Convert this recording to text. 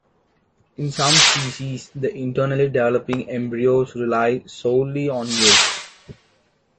In some species, the internally developing embryos rely solely on yolk.